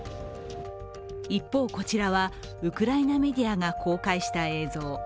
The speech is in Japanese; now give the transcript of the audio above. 一方、こちらはウクライナメディアが公開した映像。